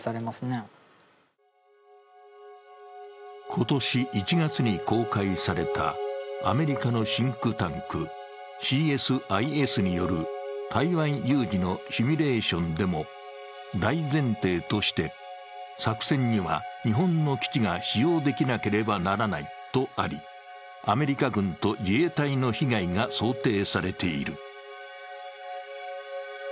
今年１月に公開されたアメリカのシンクタンク、ＣＳＩＳによる台湾有事のシミュレーションでも大前提として作戦には日本の基地が使用できなければならないとあり、アメリカ軍と自衛隊の被害が想定されている。